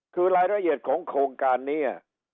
คือรายละเอียดของโครงการนี้